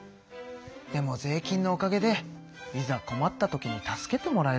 でも税金のおかげでいざこまった時に助けてもらえるのか。